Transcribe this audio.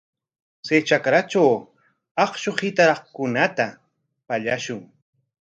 Chay trakratraw akshu hitaraqkunata pallakushun.